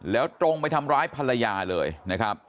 แล้วตรงไปทำร้ายภรรยาเลยนะครับ